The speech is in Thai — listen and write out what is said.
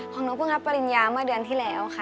ของน้องเพิ่งรับปริญญาเมื่อเดือนที่แล้วค่ะ